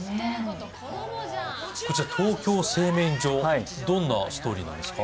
「トーキョー製麺所」、どんなストーリーなんですか？